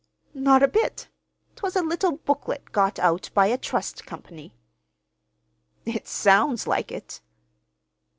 "Not a bit. 'Twas a little booklet got out by a Trust Company." "It sounds like it!"